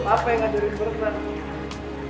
papa yang aja udah bertestan tuh